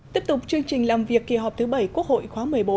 tiếp tục chương trình làm việc kỳ họp thứ bảy quốc hội khóa một mươi bốn